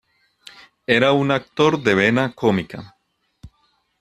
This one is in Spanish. Era un actor de vena cómica.